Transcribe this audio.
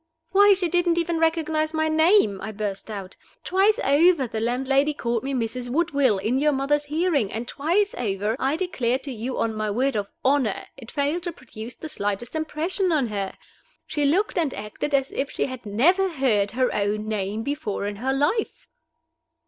"Why, she didn't even recognize my name!" I burst out. "Twice over the landlady called me Mrs. Woodville in your mother's hearing, and twice over, I declare to you on my word of honor, it failed to produce the slightest impression on her. She looked and acted as if she had never heard her own name before in her life."